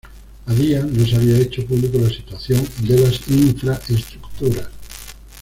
A día no se había hecho público la situación de las infraestructuras